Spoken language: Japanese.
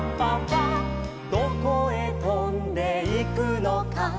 「どこへとんでいくのか」